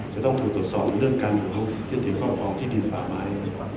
จะต้องถูกตรวจสอบในเรื่องครอบครองที่ดินผ่าไม้